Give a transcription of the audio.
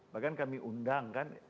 bahkan kami undang kan